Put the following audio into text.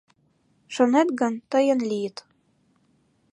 — Шонет гын, тыйын лийыт.